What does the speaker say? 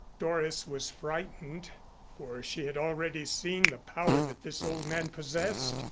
Doris was frightened, for she had already seen the power that this old man possessed.